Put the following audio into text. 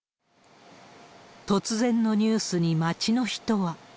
突然のニュースに街の人は。